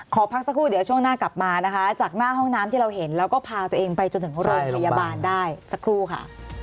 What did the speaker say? ขอพักสักครู่เดี๋ยวช่วงหน้ากลับมานะคะจากหน้าห้องน้ำที่เราเห็นแล้วก็พาตัวเองไปจนถึงโรงพยาบาลได้สักครู่ค่ะ